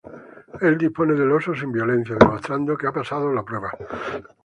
Él dispone del oso sin violencia, demostrando que ha pasado la prueba.